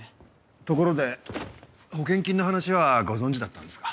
ところで保険金の話はご存じだったんですか？